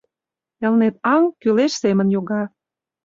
Элнет аҥ кӱлеш семын йога.